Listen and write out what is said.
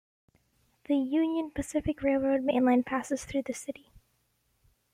The Union Pacific Railroad mainline passes through the city.